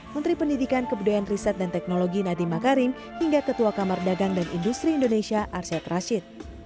menteri pendidikan kebudayaan riset dan teknologi nadiem makarim hingga ketua kamar dagang dan industri indonesia arsyad rashid